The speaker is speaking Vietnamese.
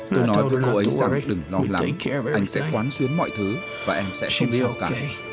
tôi nói với cô ấy rằng đừng lo lắng anh sẽ quán xuyến mọi thứ và em sẽ không biểu cả